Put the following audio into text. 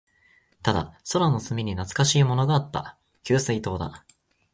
ただ、空の隅に懐かしいものがあった。給水塔だ。